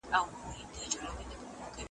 شیخ له زمانو راته په قار دی بیا به نه وینو .